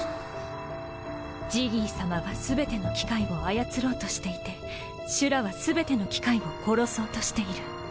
ジギーさまは全ての機械を操ろうとしていてシュラは全ての機械を殺そうとしている。